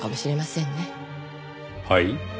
はい？